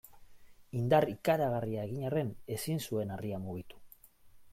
Indar ikaragarria egin arren ezin zuen harria mugitu.